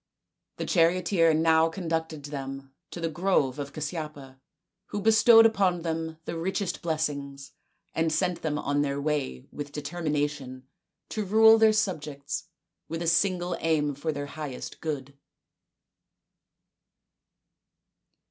The charioteer now conducted them to the grove of Casyapa, who bestowed upon them the richest bless ings, and sent them on their way with determination to rule their subjects with a single aim for their highest good.